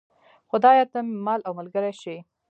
خدایه ته مې مل او ملګری شې.